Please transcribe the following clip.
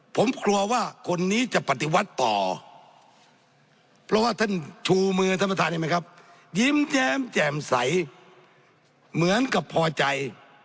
ผมกลัวว่าคนนี้จะปฏิวัติต่อเพราะว่าท่านชูมือท่านประธานเห็นไหมครับยิ้มแย้มแจ่มใสเหมือนกับพอใจ